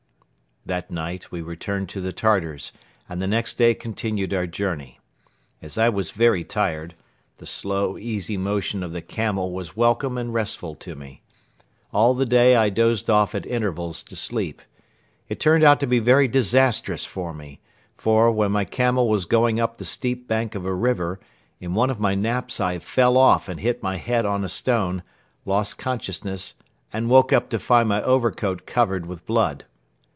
That night we returned to the Tartars and the next day continued our journey. As I was very tired, the slow, easy motion of the camel was welcome and restful to me. All the day I dozed off at intervals to sleep. It turned out to be very disastrous for me; for, when my camel was going up the steep bank of a river, in one of my naps I fell off and hit my head on a stone, lost consciousness and woke up to find my overcoat covered with blood.